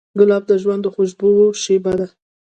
ګلاب د ژوند خوشبویه شیبه ده.